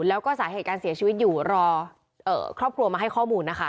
แล้วก็สาเหตุการเสียชีวิตอยู่รอครอบครัวมาให้ข้อมูลนะคะ